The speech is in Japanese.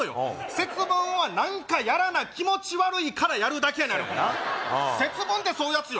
節分は何かやらな気持ち悪いからやるだけやねん節分ってそういうやつよ